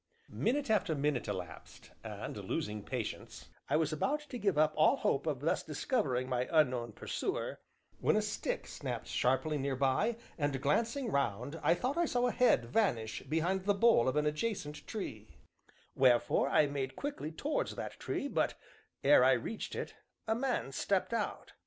Minute after minute elapsed, and, losing patience, I was about to give up all hope of thus discovering my unknown pursuer, when a stick snapped sharply near by, and, glancing round, I thought I saw a head vanish behind the bole of an adjacent tree; wherefore I made quickly towards that tree, but ere I reached it, a man stepped out.